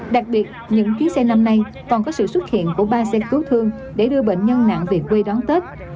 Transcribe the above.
đặc biệt những chuyến xe năm nay còn có sự xuất hiện của ba xe cứu thương để đưa bệnh nhân nặng về quê đón tết